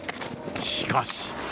しかし。